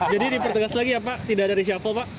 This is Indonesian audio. jadi dipertegas lagi ya pak tidak ada di siapa pak